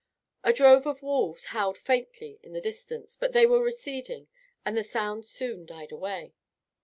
A drove of wolves howled faintly in the distance, but they were receding, and the sound soon died away.